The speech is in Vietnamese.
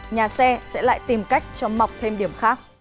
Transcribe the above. nhà xe sẽ lại tìm cách cho mọc thêm điểm khác